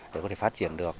để có thể phát triển được